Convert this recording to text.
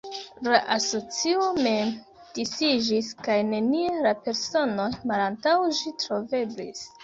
La asocio mem disiĝis kaj nenie la personoj malantaŭ ĝi troveblis.